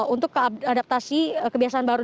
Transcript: untuk keadaptasi kebiasaan baru